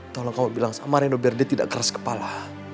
tolong kamu bilang sama reno berde tidak keras kepala